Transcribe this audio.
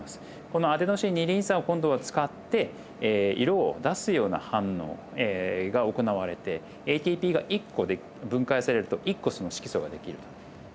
このアデノシン二リン酸を今度は使って色を出すような反応が行われてＡＴＰが１個分解されると１個その色素が出来ると。